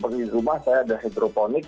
kalau di rumah saya ada hidroponik